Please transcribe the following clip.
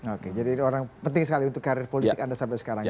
oke jadi orang penting sekali untuk karir politik anda sampai sekarang